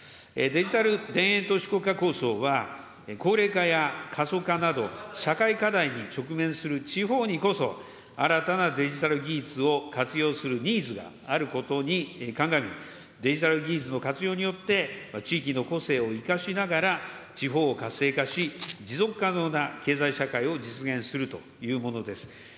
デジタル田園都市国家構想は、高齢化や過疎化など社会課題に直面する地方にこそ、新たなデジタル技術を活用するニーズがあることに鑑み、デジタル技術の活用によって、地域の個性を生かしながら、地方を活性化し、持続可能な経済社会を実現するというものです。